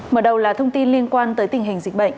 mở đầu là thông tin liên quan tới tình hình dịch bệnh